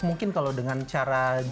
mungkin kalau dengan cara